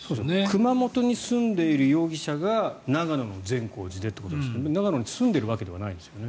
熊本に住んでいる容疑者が長野の善光寺でということで長野に住んでるわけではないんですよね。